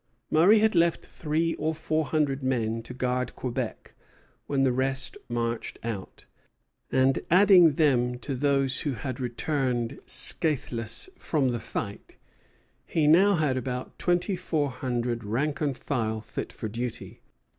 Murray had left three or four hundred men to guard Quebec when the rest marched out; and adding them to those who had returned scathless from the fight, he now had about twenty four hundred rank and file fit for duty.